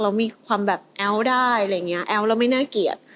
แล้วมีความแอ้วได้แอ้วแล้วไม่น่าเกลียด